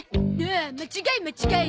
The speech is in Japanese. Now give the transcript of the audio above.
あ間違い間違い。